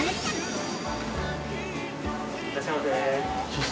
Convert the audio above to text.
いらっしゃいませ。